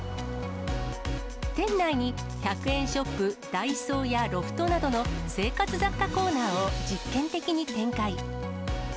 店内に１００円ショップ、ダイソーやロフトなどの生活雑貨コーナーを実験的に展開。